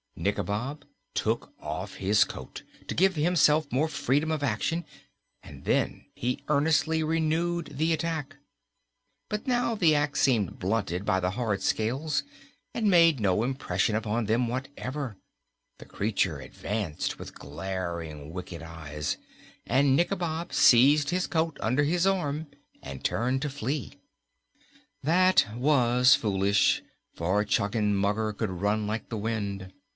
Nikobob took off his coat, to give himself more freedom of action, and then he earnestly renewed the attack. But now the ax seemed blunted by the hard scales and made no impression upon them whatever. The creature advanced with glaring, wicked eyes, and Nikobob seized his coat under his arm and turned to flee. That was foolish, for Choggenmugger could run like the wind.